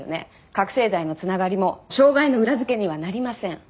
覚醒剤の繋がりも傷害の裏付けにはなりません。